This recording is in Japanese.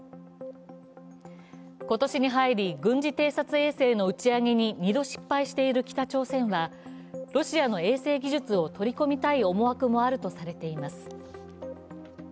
今年に入り、軍事偵察衛星の打ち上げに２度失敗している北朝鮮は、ロシアの衛星技術を取り込みたい思惑もあるとされています。